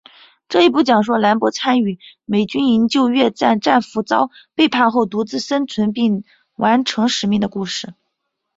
这一部讲述兰博参与美军营救越战战俘遭背叛后独自生存并完成使命的故事。